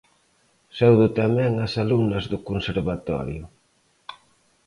Saúdo tamén as alumnas do Conservatorio.